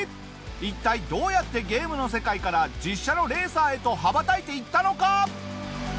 一体どうやってゲームの世界から実車のレーサーへと羽ばたいていったのか？